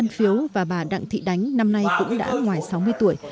phiếu và bà đặng thị đánh năm nay cũng đã ngoài sáu mươi tuổi